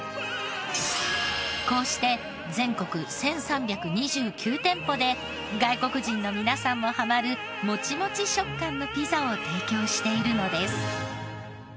こうして全国１３２９店舗で外国人の皆さんもハマるモチモチ食感のピザを提供しているのです。